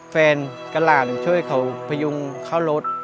กับหลานช่วยเขาพยุงเข้ารถ